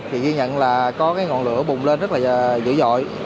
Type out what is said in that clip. thì ghi nhận là có cái ngọn lửa bùng lên rất là dữ dội